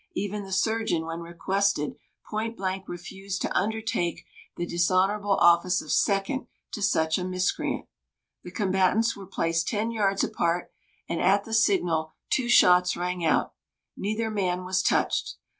Even the surgeon, when requested, point blank refused to undertake the dishonourable office of second to such a miscreant. The combatants were placed ten yards apart, and, at the signal, two shots rang out. Neither man was touched.